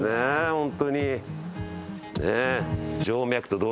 本当に。